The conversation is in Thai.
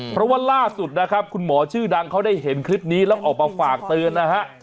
เพราะว่าล่าสุดนะครับคุณหมอชื่อดังเขาได้เห็นคลิปนี้แล้วออกมาฝากเตือนนะฮะ